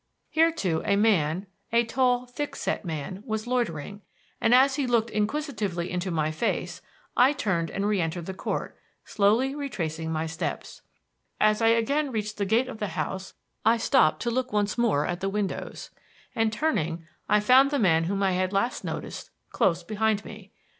Here, too, a man a tall, thick set man was loitering; and as he looked inquisitively into my face I turned and reëntered the Court, slowly retracing my steps. As I again reached the gate of the house I stopped to look once more at the windows, and turning I found the man whom I had last noticed close behind me.